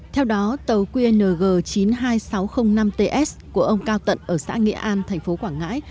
theo đó tàu qng chín mươi hai nghìn sáu trăm linh năm ts của ông cao tận ở xã nghĩa an thành phố quảng ngãi